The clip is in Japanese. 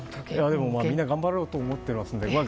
まあ、みんな頑張ろうと思ってますから！